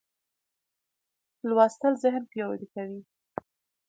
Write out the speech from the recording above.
لوستل ذهن پیاوړی کوي.